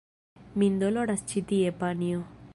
Min doloras ĉi tie, panjo!